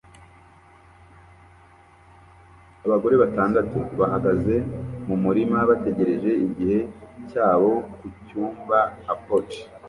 Abagore batandatu bahagaze mu murima bategereje igihe cyabo ku cyambu-a-potty